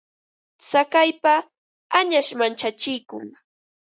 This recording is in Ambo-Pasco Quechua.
Tsakaypa añash manchachikun.